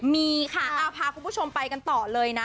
มีค่ะพาคุณผู้ชมไปกันต่อเลยนะ